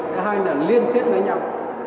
thứ hai là liên kết với nhau